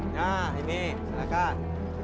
nah ini silahkan